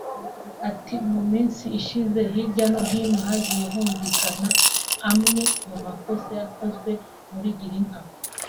Ati“ Mu minsi ishize hirya no hino hagiye humvikana amwe mu makosa yakozwe muri Girinka